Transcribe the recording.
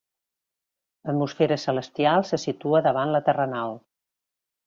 L'atmosfera celestial se situa davant la terrenal.